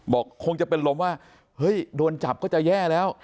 คงจะเป็นลมว่าเฮ้ยโดนจับก็จะแย่แล้ว